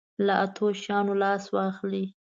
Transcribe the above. له اتو شیانو لاس واخله.